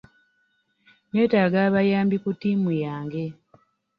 Neetaaga abayambi ku tiimu yange.